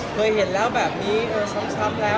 เพื่อสิ่งต้างการออกการความมิดรอบ